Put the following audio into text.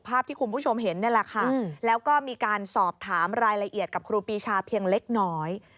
ภาพที่คุณผู้ชมเห็นนี่แหละค่ะแล้วก็มีการสอบถามรายละเอียดกับครูปีชาเพียงเล็กน้อย